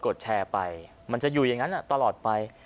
ดแชร์ไปมันจะอยู่อย่างนั้นตลอดไป